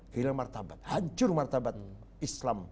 hilang martabat hancur martabat islam